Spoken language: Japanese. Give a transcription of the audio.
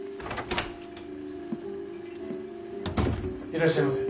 いらっしゃいませ。